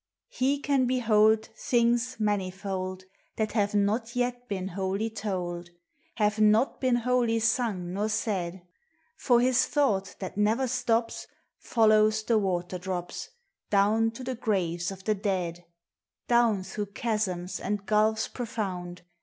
He can behold Things manifold That have not yet been wholly told, — Have not been wholly suns nor said. For his thought, that never stops. Follows the water drops Down to the graves of the dead, Down through chasms and gulfs profound.